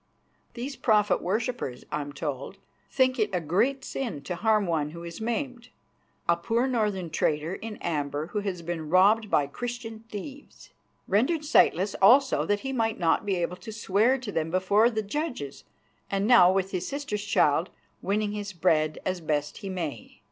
These Prophet worshippers, I am told, think it a great sin to harm one who is maimed a poor northern trader in amber who has been robbed by Christian thieves. Rendered sightless also that he might not be able to swear to them before the judges, and now, with his sister's child, winning his bread as best he may.